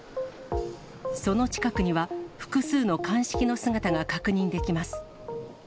その近くには複数の鑑識の姿が確認できます。